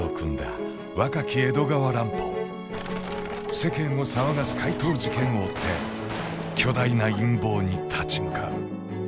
世間を騒がす怪盗事件を追って巨大な陰謀に立ち向かう。